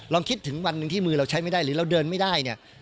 คิดถึงวันหนึ่งที่มือเราใช้ไม่ได้หรือเราเดินไม่ได้เนี่ย